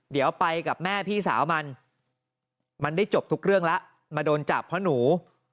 เดี๋ยวไปกับแม่พี่สาวมันมันได้จบทุกเรื่องแล้วมาโดนจับเพราะหนู